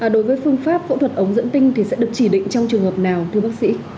đối với phương pháp phẫu thuật ống dẫn tinh thì sẽ được chỉ định trong trường hợp nào thưa bác sĩ